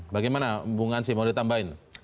bagaimana hubungan sih mau ditambahin